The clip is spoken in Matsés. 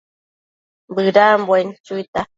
Bëdambuen chuita